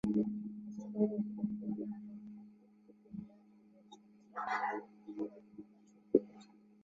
长果婆婆纳中甸亚种为车前草科婆婆纳属下的一个亚种。